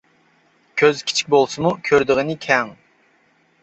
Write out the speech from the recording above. كۆز كىچىك بولسىمۇ، كۆرىدىغىنى كەڭ.